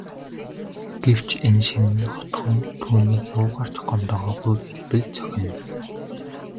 Гэвч энэ шинэ хотхон түүнийг юугаар ч гомдоогоогүйг хэлбэл зохино.